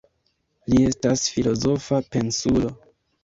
Li estas filozofa pensulo.